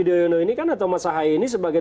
udayono ini kan atau mas ahi ini sebagai